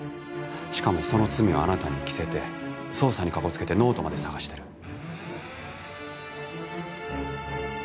しかもその罪をあなたに着せて捜査にかこつけてノートまで捜してる。